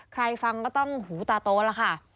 ใครฟังก็ต้องหูตาโตแล้วค่ะ